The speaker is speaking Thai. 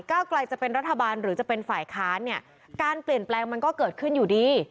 ไกลจะเป็นรัฐบาลหรือจะเป็นฝ่ายค้านเนี่ยการเปลี่ยนแปลงมันก็เกิดขึ้นอยู่ดี